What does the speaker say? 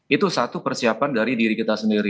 itu satu persiapan dari diri kita sendiri